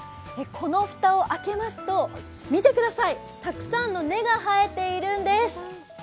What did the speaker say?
このふたを開けますとたくさんの根が生えているんです。